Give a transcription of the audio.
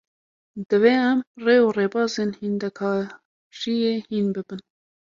Divê em, rê û rêbazên hîndekariyê hîn bibin